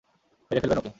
মেরে ফেলবেন ওকে!